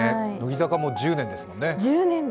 乃木坂も１０年ですもんね。